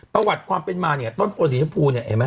ประวัติของต้นโพสีชมพูนี่เห็นมั้ย